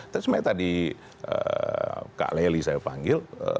tapi sebenarnya tadi kak lely saya panggil